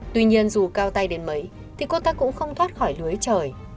tuy nhiên dù cao tay đến mấy thì cô ta cũng không thoát khỏi lưới trời